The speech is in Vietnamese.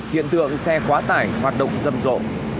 hiện tượng xe quá tải hoạt động râm rộ